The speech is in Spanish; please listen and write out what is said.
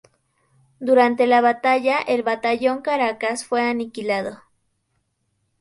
Durante la batalla el batallón Caracas fue aniquilado.